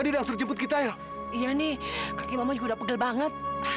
ini kaki mama juga udah pegel banget